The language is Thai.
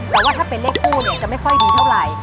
แต่ว่าถ้าเป็นเลขกู้เนี่ยจะไม่ค่อยดีเท่าไหร่